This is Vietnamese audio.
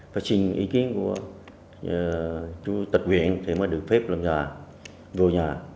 và xin ý kiến của chủ tịch huyện thì mới được phép vào nhờ vào nhờ